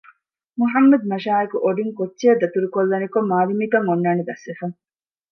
މުޙައްމަދު މަށާއެކު އޮޑިން ކޮއްޗެއަށް ދަތުރެއްކޮށްލަނިކޮށް މާލިމީކަން އޮންނާނީ ދަސްވެފަ